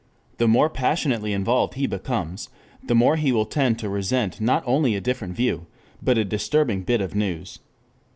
The more passionately involved he becomes, the more he will tend to resent not only a different view, but a disturbing bit of news.